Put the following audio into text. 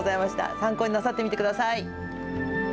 参考になさってみてください。